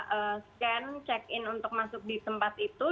kita scan check in untuk masuk di tempat itu